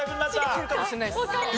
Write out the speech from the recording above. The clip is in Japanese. いけるかもしれないです。